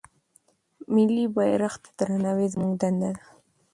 ملي بيرغ ته درناوی زموږ دنده ده.